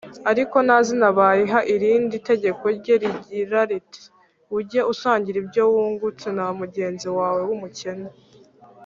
ariko nta zina bayiha irindi tegeko rye rigira riti “ujye usangira ibyo wungutse na mugenzi wawe w’umukene